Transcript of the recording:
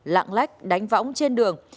lạng lách đánh võng trên đường